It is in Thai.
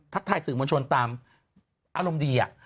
ทายสื่อมวลชนตามอารมณ์ดี